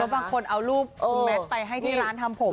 บางคนเอารูปคุณแมทไปให้ที่ร้านทำผม